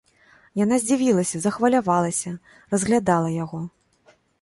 Яна здзівілася, захвалявалася, разглядала яго.